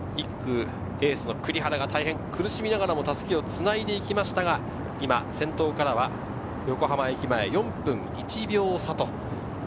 １区、エースの栗原が大変苦しみながら襷をつないでいきましたが、今、先頭からは横浜駅間、４分１秒差。